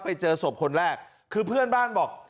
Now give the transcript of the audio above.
ไปเจอศพคนแรกคือเพื่อนบ้านบอก